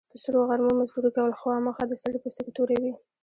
په سرو غرمو مزدوري کول، خوامخا د سړي پوستکی توروي.